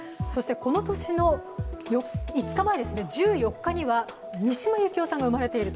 この年の１４日前には三島由紀夫さんが生まれていると。